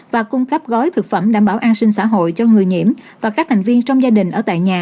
và cung cấp gói thực phẩm đảm bảo an sinh xã hội cho người nhiễm và các thành viên trong gia đình ở tại nhà